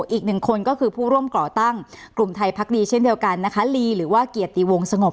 อีกหนึ่งคนก็คือผู้ร่วมก่อตั้งกลุ่มไทยพักดีเช่นเดียวกันนะคะลีหรือว่าเกียรติวงสงบ